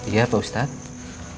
iya pak ustadz